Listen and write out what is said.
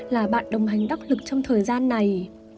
là bạn đồng hành đắc lực trong thời gian này